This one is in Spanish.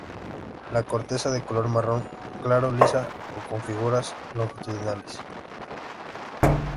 La corteza de color marrón claro, lisa o con fisuras longitudinales.